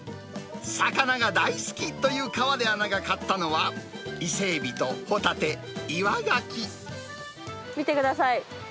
魚が大好きという河出アナが買ったのは、伊勢エビとホタテ、見てください。